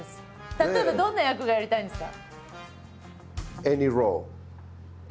例えばどんな役がやりたいんですか？